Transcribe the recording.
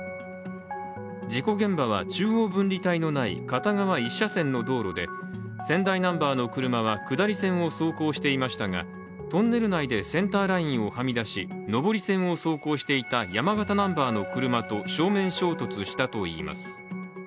事故現場は中央分離帯のない片側一車線の道路で仙台ナンバーの車は下り線を走行していましたがトンネル内でセンターラインをはみ出し上り線を走行していた山形ナンバーの車と正面衝突したといいます。